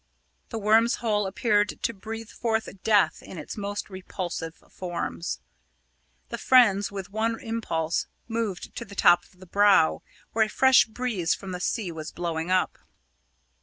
The Worm's hole appeared to breathe forth death in its most repulsive forms. The friends, with one impulse, moved to the top of the Brow, where a fresh breeze from the sea was blowing up.